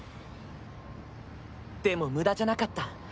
でも無駄じゃなかった。